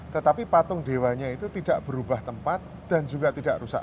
tetapi patung dewanya itu tidak berubah tempat dan juga tidak rusak